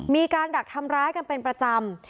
มีการดักทำร้ายกันเป็นประจำ